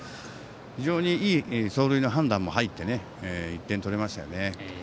非常にいい走塁の判断も入って１点取れましたよね。